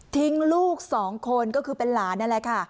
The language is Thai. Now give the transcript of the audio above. ลูกสองคนก็คือเป็นหลานนั่นแหละค่ะ